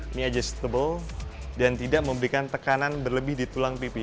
ini adjustible dan tidak memberikan tekanan berlebih di tulang pipi